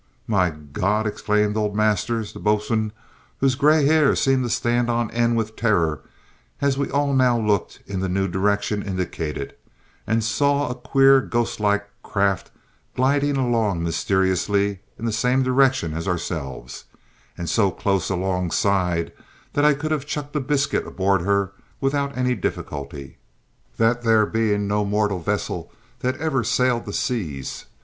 "My God!" exclaimed old Masters, the boatswain, whose grey hair seemed to stand on end with terror as we all now looked in the new direction indicated and saw a queer ghost like craft gliding along mysteriously in the same direction as ourselves, and so close alongside that I could have chucked a biscuit aboard her without any difficulty. "That there be no mortal vessel that ever sailed the seas.